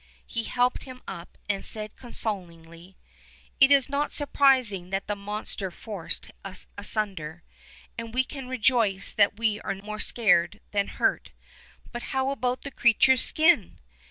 He helped him up and said consolingly: 'Tt is not sur prising that the monster forced us asunder, and we can rejoice that we are more scared than hurt. But how about the creature's skin?"